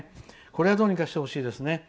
これはどうにかしてほしいですね。